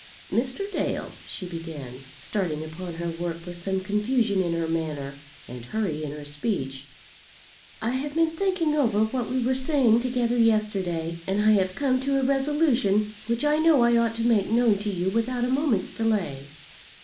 "Mr. Dale," she began, starting upon her work with some confusion in her manner, and hurry in her speech, "I have been thinking over what we were saying together yesterday, and I have come to a resolution which I know I ought to make known to you without a moment's delay."